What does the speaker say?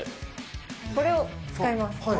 これを使います。